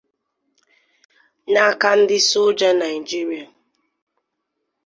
n’aka ndị soja Naịjirịa.